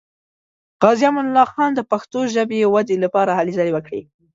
غازي امان الله خان د پښتو ژبې ودې لپاره هلې ځلې وکړې.